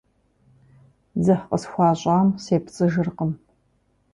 Дзыхь къысхуащӀам сепцӀыжыркъым.